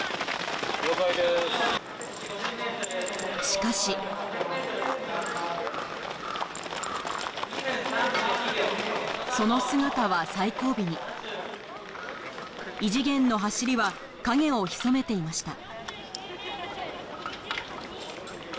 しかしその姿は最後尾に異次元の走りは影を潜めていました